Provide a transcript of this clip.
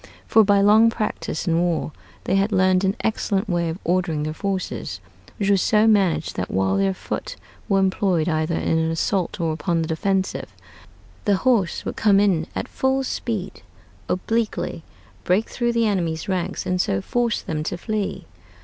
For by long practice in war they had learned an excellent way of ordering their forces; which was so managed that while their foot were employed either in an assault or upon the defensive, the horse would come in at full speed obliquely, break through the enemy's ranks, and so force them to flee.